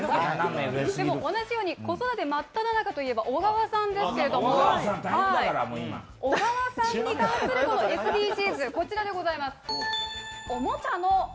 同じように子育て真っただ中といえば小川さんですけども、小川産に関するＳＤＧｓ、こちらでございます。